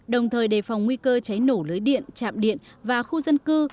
đồng thời đề phòng nguy cơ cháy nổ lưới điện chạm điện và khu dân cư